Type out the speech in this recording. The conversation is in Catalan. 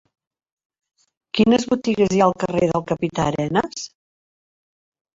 Quines botigues hi ha al carrer del Capità Arenas?